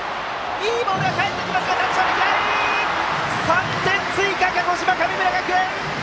３点追加鹿児島、神村学園！